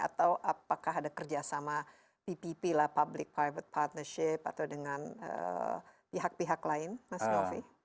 atau apakah ada kerjasama ppp lah public private partnership atau dengan pihak pihak lain mas novi